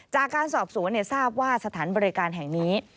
จากการสอบสวนทราบว่าสถานบริการแห่งนี้